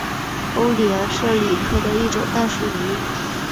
欧鲢是鲤科的一种淡水鱼。